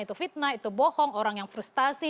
itu fitnah itu bohong orang yang frustasi